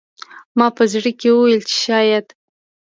ما په زړه کې وویل چې شاید